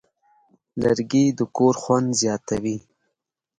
لرګی د کور خوند زیاتوي.